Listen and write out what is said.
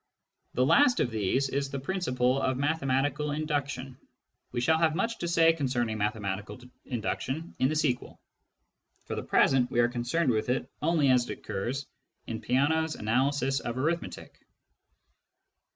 The last of these is the principle of mathematical induction. We shall have much to say concerning mathematical induction in the sequel ; for the present, we are concerned with it only as it occurs in Peano's analysis of arithmetic.